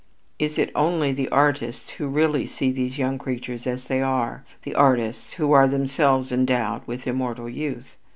Is it only the artists who really see these young creatures as they are the artists who are themselves endowed with immortal youth?